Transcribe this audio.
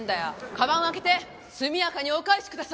カバンを開けて速やかにお返しください。